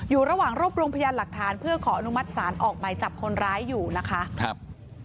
อยู่ระหว่างรวบรวมพยานหลักฐานเพื่อขออนุมัติศาลออกหมายจับคนร้ายอยู่นะคะครับ